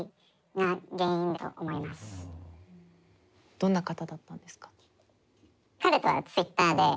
どんな方だったんですか？